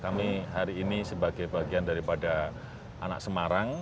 kami hari ini sebagai bagian daripada anak semarang